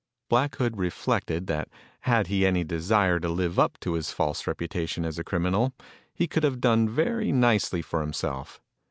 Black Hood reflected that had he any desire to live up to his false reputation as a criminal, he could have done very nicely for himself.